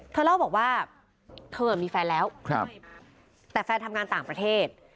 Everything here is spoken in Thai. เธอเล่าบอกว่าเธอมีแฟนแล้วแต่แฟนทำงานต่างประเทศ